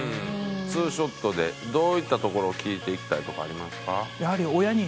２ショットでどういったところを聞いていきたいとかありますか？